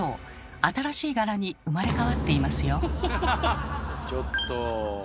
新しい柄に生まれ変わっていますよ。